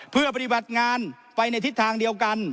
เพื่อปฏิบัติงานไปในทิศทางเดียวกัน